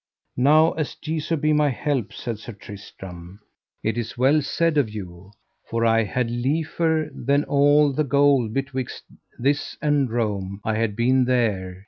Now as Jesu be my help, said Sir Tristram, it is well said of you, for I had liefer than all the gold betwixt this and Rome I had been there.